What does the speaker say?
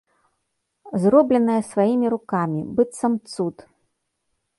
Зробленае сваімі рукамі, быццам цуд!